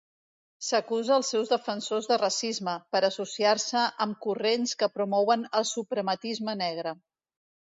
S'acusa els seus defensors de racisme, per associar-se amb corrents que promouen el suprematisme negre.